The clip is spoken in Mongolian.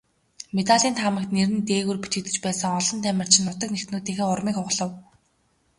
Медалийн таамагт нэр нь дээгүүр бичигдэж байсан олон тамирчин нутаг нэгтнүүдийнхээ урмыг хугалав.